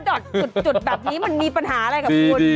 ดอกจุดแบบนี้มันมีปัญหาอะไรกับคุณ